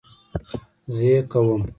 زه کوم